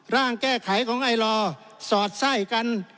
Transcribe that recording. ร่างแก้ไขของไอลอสอดไส้กัน